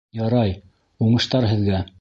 — Ярай, уңыштар һеҙгә!